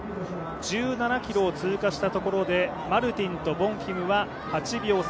１７ｋｍを通過したところでマルティンとボンフィムは８秒差。